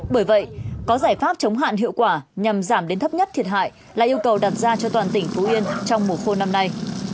bởi vậy có giải pháp chống hạn hiệu quả nhằm giảm đến thấp nhất thiệt hại là yêu cầu đặt ra cho toàn tỉnh phú yên trong mùa khô năm nay